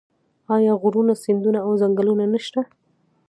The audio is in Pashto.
آیا غرونه سیندونه او ځنګلونه نشته؟